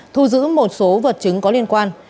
thu giữ một số vật chứng có liên quan